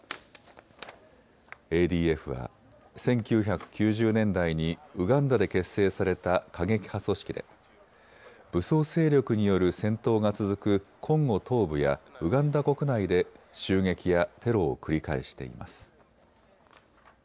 ＡＤＦは１９９０年代にウガンダで結成された過激派組織で武装勢力による戦闘が続くコンゴ東部やウガンダ国内で襲撃やテロを繰り返しています。